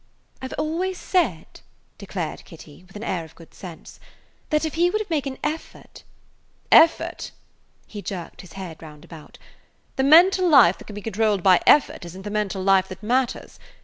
"I 've always said," declared Kitty, with an air of good sense, "that if he would make an effort–" "Effort!" He jerked his round head about. "The mental life that can be controlled by effort is n't the mental life that matters.